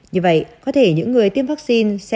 như vậy có thể những người tiêm vaccine sẽ